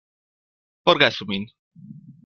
Forgesu min.